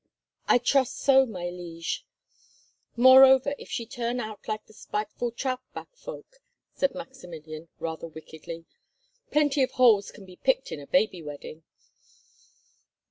"I trust so, my liege." "Moreover, if she turn out like the spiteful Trautbach folk," said Maximilian, rather wickedly, "plenty of holes can be picked in a baby wedding.